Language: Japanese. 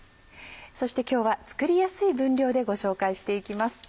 そして今日は作りやすい分量でご紹介していきます。